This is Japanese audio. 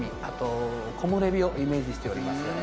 あと木漏れ日をイメージしております。